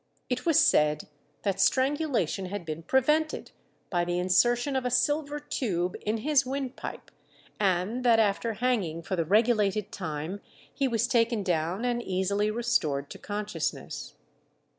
It was said that strangulation had been prevented by the insertion of a silver tube in his wind pipe, and that after hanging for the regulated time he was taken down and easily restored to consciousness.